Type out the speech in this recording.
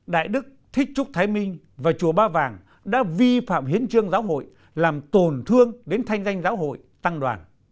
đại đức thích trúc thái minh và chùa ba vàng đã vi phạm hiến trương giáo hội làm tổn thương đến thanh danh giáo hội tăng đoàn